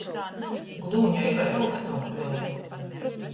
Glūnej kai vylks cauri kryumu.